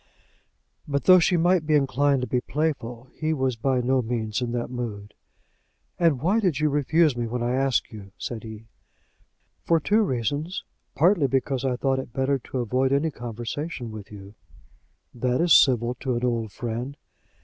But though she might be inclined to be playful, he was by no means in that mood. "And why did you refuse me when I asked you?" said he. "For two reasons, partly because I thought it better to avoid any conversation with you." "That is civil to an old friend."